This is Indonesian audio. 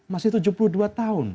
masih tujuh puluh dua tahun